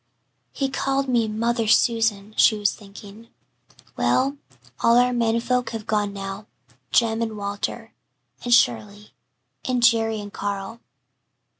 "He called me 'Mother Susan,'" she was thinking. "Well, all our men folk have gone now Jem and Walter and Shirley and Jerry and Carl.